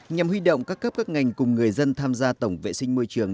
nhằm huy động các cấp các ngành cùng người dân tham gia tổng vệ sinh môi trường